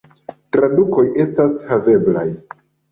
Tradukoj estas haveblaj.